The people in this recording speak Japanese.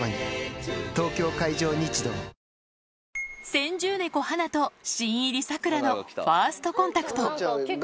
先住猫、ハナと新入り、サクラのファーストコンタクト。